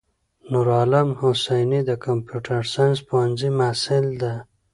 نورعالم حسیني دکمپیوټر ساینس پوهنځی محصل ده.